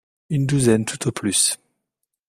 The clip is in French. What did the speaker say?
Une douzaine tout au plus